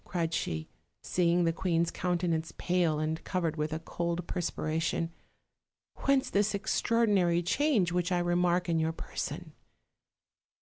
cried she, seeing the queen's countenance pale and covered with a cold perspiration; "whence this extraordinary change which I remark in your person?"